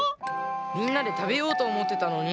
みんなでたべようとおもってたのに。